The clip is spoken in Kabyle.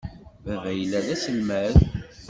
Baba yella d aselmad.